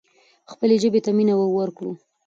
خپلې ژبې ته مینه ورکړو.